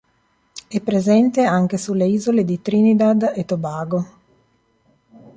È presente anche sulle isole di Trinidad e Tobago.